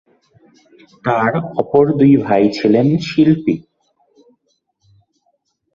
তাঁর অপর দুই ভাই ছিলেন শিল্পী।